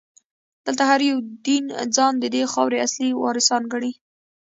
دلته هر یو دین ځان ددې خاورې اصلي وارثان ګڼي.